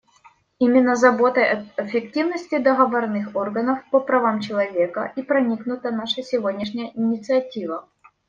Именно заботой об эффективности договорных органов по правам человека и проникнута наша сегодняшняя инициатива.